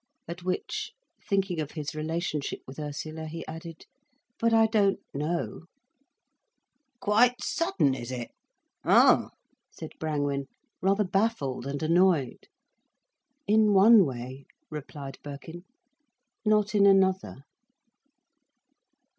At which, thinking of his relationship with Ursula, he added—"but I don't know—" "Quite sudden, is it? Oh!" said Brangwen, rather baffled and annoyed. "In one way," replied Birkin, "—not in another."